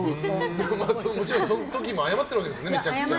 もちろんその時も謝ってるわけですね。